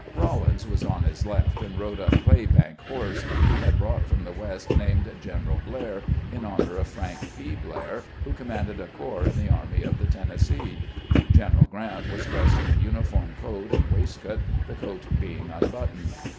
Rawlins was, on his left, and rode a "clay bank" horse he had brought from the West named " Greneral Blair," in honor of Frank P. Blair, who commanded a corps in the Army of the Tennessee. General Grant was dressed in a uniform coat and waist coat, the coat being unbuttoned.